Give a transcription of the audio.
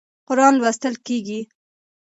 قرآن لوستل کېږي.